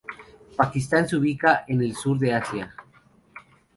Pakistán se ubica en el sur de Asia.